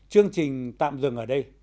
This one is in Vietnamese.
chương trình tạm dừng ở đây